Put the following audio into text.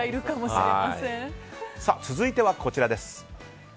続いてはこちらです。